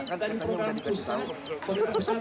tidak dikasih tahu